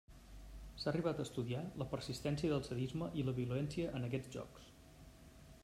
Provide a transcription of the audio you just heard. S'ha arribat a estudiar la persistència del sadisme i la violència en aquests jocs.